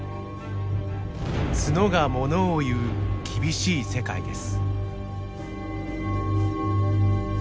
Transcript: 角がモノをいう厳しい世界です。